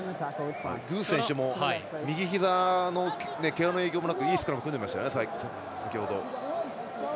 具選手も右ひざの影響もなく、いいスクラム組んでましたよね、先ほど。